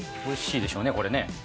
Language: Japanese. おいしいでしょうねこれね。